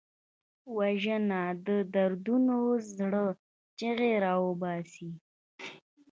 وژنه د دردو زړه چیغې راوباسي